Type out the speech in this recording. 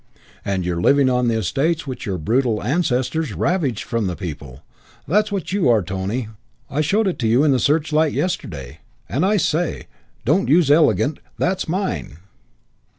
"And you're living on estates which your brutal ancestors ravaged from the people. That's what you are, Tony. I showed it you in the Searchlight yesterday. And, I say, don't use 'elegant'; that's mine."